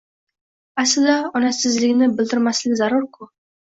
Aslida onasizligini bildirmasligi zarurku...